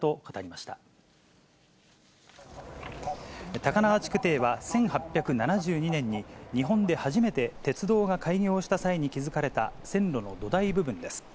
高輪築堤は、１８７２年に日本で初めて、鉄道が開業した際に築かれた線路の土台部分です。